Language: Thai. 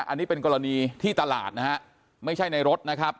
อันนี้เป็นกรณีที่ตลาดนะฮะไม่ใช่ในรถนะครับ